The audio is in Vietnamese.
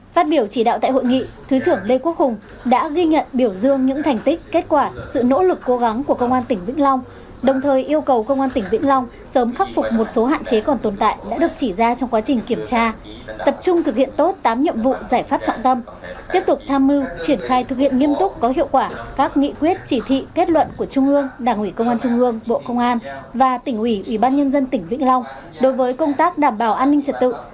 phát biểu chỉ đạo tại hội nghị thứ trưởng lê quốc hùng đã ghi nhận biểu dương những thành tích kết quả sự nỗ lực cố gắng của công an tỉnh vĩnh long đồng thời yêu cầu công an tỉnh vĩnh long sớm khắc phục một số hạn chế còn tồn tại đã được chỉ ra trong quá trình kiểm tra tập trung thực hiện tốt tám nhiệm vụ giải pháp trọng tâm tiếp tục tham mưu triển khai thực hiện nghiêm túc có hiệu quả các nghị quyết chỉ thị kết luận của trung ương đảng ủy công an trung ương bộ công an và tỉnh ủy ủy ban nhân dân tỉnh vĩnh long đối với công tác